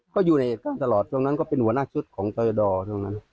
ก็อยู่ในเอ็ดกลางตลอดตรงนั้นก็เป็นหัวหน้าชุดของเจ้าโยดอล์